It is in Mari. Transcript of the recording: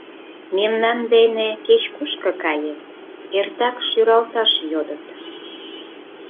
Мемнан дене кеч-кушко кае — эртак шӱралташ йодыт.